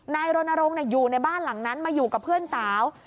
รณรงค์อยู่ในบ้านหลังนั้นมาอยู่กับเพื่อนสาว